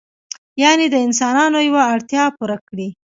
یعنې د انسانانو یوه اړتیا پوره کړي.